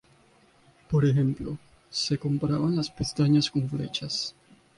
Por ejemplo, se comparaban las pestañas con flechas.